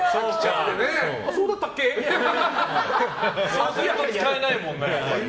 そうすると使えないもんね。